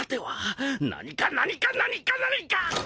何か何か何か何か！